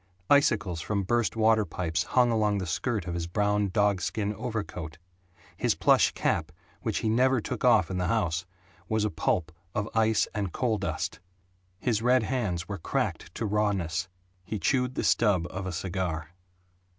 Icicles from burst water pipes hung along the skirt of his brown dog skin overcoat; his plush cap, which he never took off in the house, was a pulp of ice and coal dust; his red hands were cracked to rawness; he chewed the stub of a cigar.